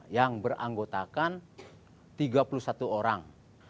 yang beranggotakan tiga puluh satu orang